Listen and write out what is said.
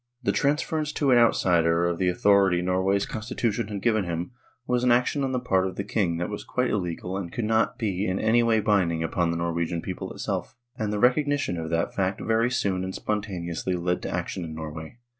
The transference to an outsider of the authority Norway's constitution had given him, THE TREATY OF KIEL 15 was an action on the part of the king that was quite illegal and could not be in any way binding upon the Norwegian people itself. And the recognition of that fact very soon and spontaneously led to action in Norway.